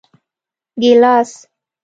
🍒 ګېلاس